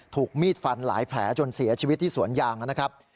ถูกมีดฟันหลายแผลจนเสียชีวิตที่สวนยางนะครับ